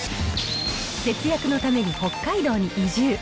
節約のために北海道に移住。